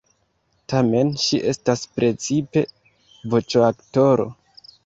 Tamen ŝi estas precipe voĉoaktoro.